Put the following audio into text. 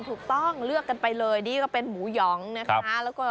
ถูกต้องเลือกกันไปเลยนี่ก็เป็นหมูหยองนะคะ